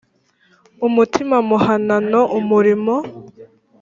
umutima muhanano umurimo